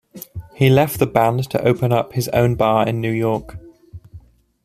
He left the band to open up his own bar in New York.